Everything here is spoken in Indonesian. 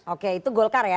oke itu golkar ya